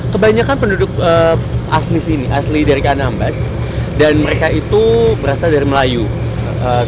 tapi sekitar delapan puluh bergantung pada laut